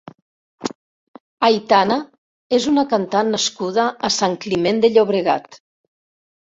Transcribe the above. Aitana és una cantant nascuda a Sant Climent de Llobregat.